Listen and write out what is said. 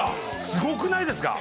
すごくないですか？